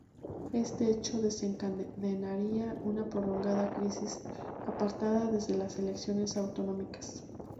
Este hecho desencadenaría una prolongada crisis, apartada desde las elecciones autonómicas.